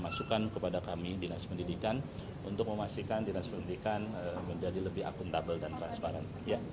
masukan kepada kami dinas pendidikan untuk memastikan dinas pendidikan menjadi lebih akuntabel dan transparan